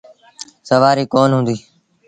سُوآريٚ ڪونا هُݩديٚ۔